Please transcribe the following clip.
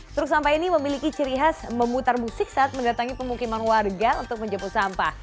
truk sampah ini memiliki ciri khas memutar musik saat mendatangi pemukiman warga untuk menjemput sampah